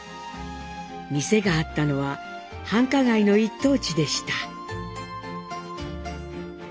店があったのは繁華街の一等地でした。